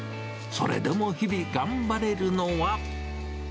それでも日々、頑張れるのは。